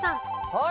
はい！